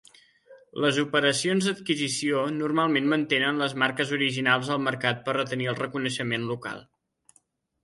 Les operacions d'adquisició normalment mantenen les marques originals al mercat per retenir el reconeixement local.